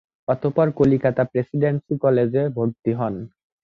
অতঃপর কলিকাতা প্রেসিডেন্সী কলেজে ভর্তি হন।